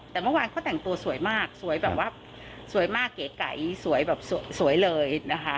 แต่เมื่อวานเขาแต่งตัวสวยมากสวยแบบว่าสวยมากเก๋ไก่สวยแบบสวยเลยนะคะ